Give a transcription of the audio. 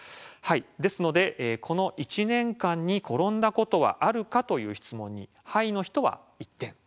ですので「この１年間に転んだことはあるか」という質問に「はい」の人は１点。